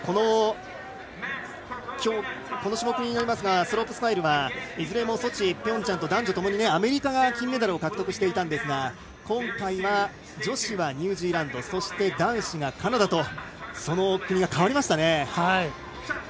この種目になりますがスロープスタイルはいずれもソチ、ピョンチャンと男女ともにアメリカが金メダルを獲得していたんですが今回は女子、ニュージーランド男子、カナダと国が変わりました。